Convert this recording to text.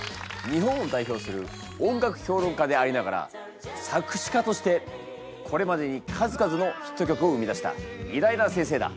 日本を代表する音楽評論家でありながら作詞家としてこれまでに数々のヒット曲を生み出した偉大な先生だ！